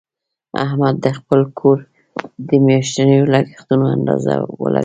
احمد د خپل کور د میاشتنیو لګښتونو اندازه ولګوله.